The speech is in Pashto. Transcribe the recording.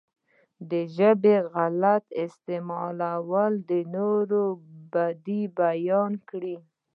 د ژبې غلط استعمال نورو بدۍ بيانې کړي.